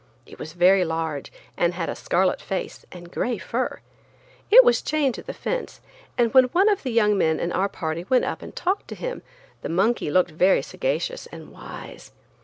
It was very large and had a scarlet face and gray fur. It was chained to the fence, and when one of the young men in our party went up and talked to him the monkey looked very sagacious and wise.